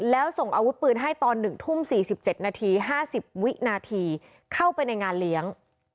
แล้วส่งอาวุธปืนให้ตอน๑ทุ่ม๔๗นาที๕๐วินาทีเข้าไปในงานเลี้ยง